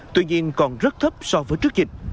tuy nhiên còn rất thấp so với trước dịch